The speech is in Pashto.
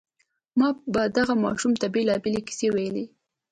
ما به دغه ماشوم ته بېلابېلې کيسې ويلې.